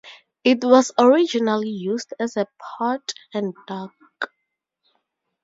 It was originally used as a port and dock.